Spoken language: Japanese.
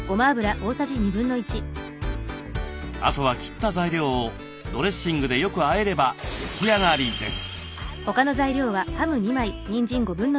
あとは切った材料をドレッシングでよくあえれば出来上がりです。